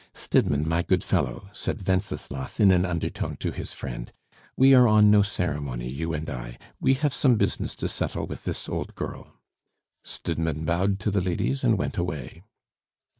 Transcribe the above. "Stidmann, my good fellow," said Wenceslas, in an undertone to his friend, "we are on no ceremony, you and I we have some business to settle with this old girl." Stidmann bowed to the ladies and went away.